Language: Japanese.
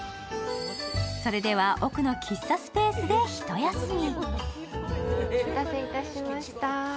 それでは奥の喫茶スペースで一休み。